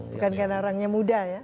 bukan karena orangnya muda ya